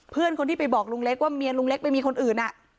เพื่อนคนที่ไปบอกลุงเล็กว่าเมียลุงเล็กไปมีคนอื่น